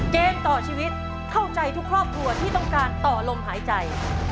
เกมต่อชีวิตเข้าใจทุกครอบครัวที่ต้องการต่อลมหายใจ